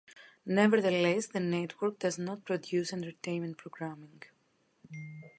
Nevertheless, the network does not produce entertainment programming.